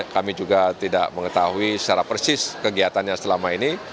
kami juga tidak mengetahui secara persis kegiatannya selama ini